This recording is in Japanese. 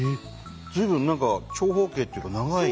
随分何か長方形っていうか長い。